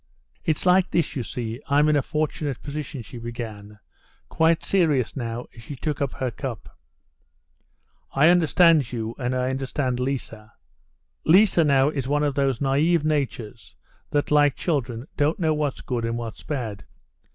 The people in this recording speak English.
"It's like this, you see: I'm in a fortunate position," she began, quite serious now, as she took up her cup. "I understand you, and I understand Liza. Liza now is one of those naïve natures that, like children, don't know what's good and what's bad.